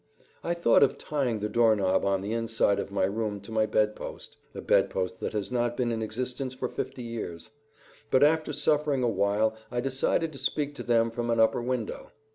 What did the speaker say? I thought of tying the doorknob on the inside of my room to my bedpost (a bedpost that has not been in existence for fifty years), but after suffering awhile I decided to speak to them from an upper window.